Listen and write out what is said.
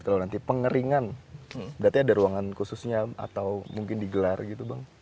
kalau nanti pengeringan berarti ada ruangan khususnya atau mungkin digelar gitu bang